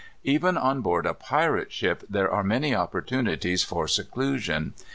Even on board a pirate ship there are many opportunities for seclusion.